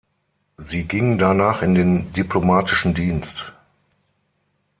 Sie ging danach in den diplomatischen Dienst.